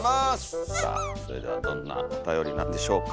さあそれではどんなおたよりなんでしょうか。